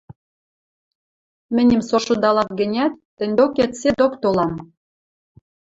Мӹньӹм со шудалат гӹнят, тӹнь докет седок толам.